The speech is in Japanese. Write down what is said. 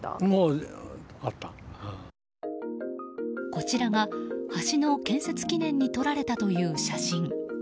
こちらが橋の建設記念に撮られたという写真。